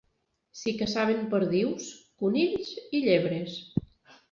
S'hi caçaven perdius, conills i llebres.